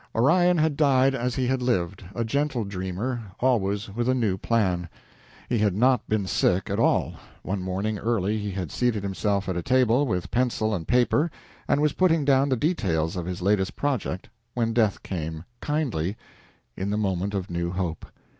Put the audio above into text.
Orion had died as he had lived a gentle dreamer, always with a new plan. He had not been sick at all. One morning early he had seated himself at a table, with pencil and paper, and was putting down the details of his latest project, when death came kindly, in the moment of new hope.